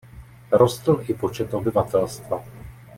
Rostl i počet obyvatelstva.